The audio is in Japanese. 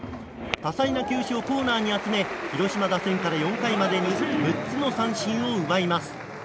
多彩な球種をコーナーに集め広島打線から４回までに６つの三振を奪います。